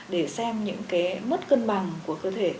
để xem những cái mất cân bằng của cơ thể